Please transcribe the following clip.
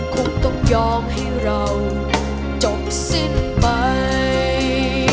คงต้องยอมให้เราจบสิ้นไป